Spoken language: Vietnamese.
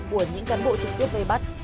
của những cán bộ trực tiếp gây bắt